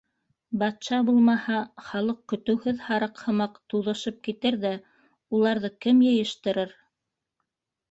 — Батша булмаһа, халыҡ, көтөүһеҙ һарыҡ һымаҡ, туҙышып китер ҙә, уларҙы кем йыйыштырыр?